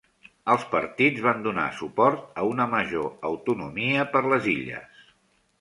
Els partits van donar suport a una majora autonomia per les illes.